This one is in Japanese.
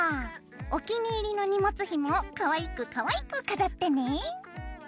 お気に入りの荷物ひもをかわいくかわいく飾ってね。